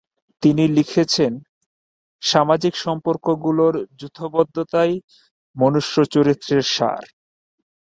তিনি লিখেছেন, ‘সামাজিক সম্পর্কগুলোর যূথবদ্ধতাই মনুষ্যচরিত্রের সার।